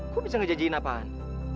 gue bisa ngejajain apaan